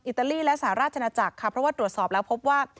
ตาลีและสหราชนาจักรค่ะเพราะว่าตรวจสอบแล้วพบว่า